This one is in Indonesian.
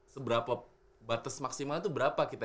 seberapa batas maksimal itu berapa kita